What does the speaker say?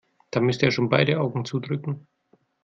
Da müsste er schon beide Augen zudrücken.